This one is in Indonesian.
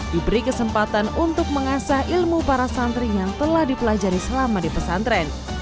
diberi kesempatan untuk mengasah ilmu para santri yang telah dipelajari selama di pesantren